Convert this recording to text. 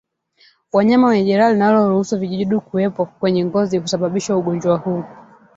Wanyama wenye jeraha linaloruhusu vijidudu kuwepo kwenye ngozi husababisha ugonjwa huu